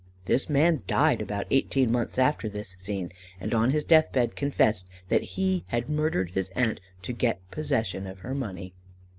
This man died about eighteen months after this scene, and, on his death bed, confessed that he had murdered his aunt to get possession of her money."